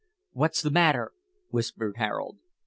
"What's the matter?" whispered Harold.